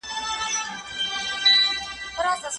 څېړنه د پوهي د ترلاسه کولو یوازینۍ لاره ده.